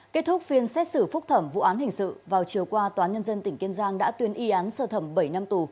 kết thúc phiên xét xử phúc thẩm vụ án hình sự vào chiều qua tòa nhân dân tỉnh kiên giang đã tuyên y án sơ thẩm bảy năm tù